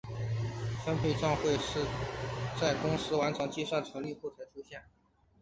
分配帐会在公司完成计算纯利后才出现。